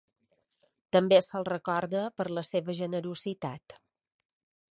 També se'l recorda per la seva generositat.